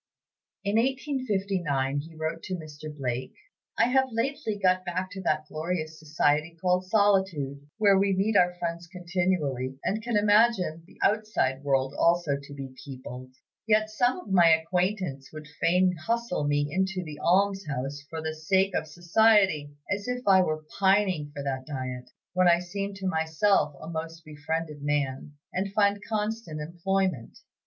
In 1859 he wrote to Mr. Blake: "I have lately got back to that glorious society called Solitude, where we meet our friends continually, and can imagine the outside world also to be peopled. Yet some of my acquaintance would fain hustle me into the almshouse for the sake of society; as if I were pining for that diet, when I seem to myself a most befriended man, and find constant employment.